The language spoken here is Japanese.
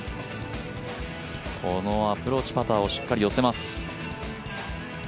このアプローチパターをしっかり寄せます。